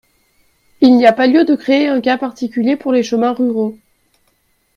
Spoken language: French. Il n’y a pas lieu de créer un cas particulier pour les chemins ruraux.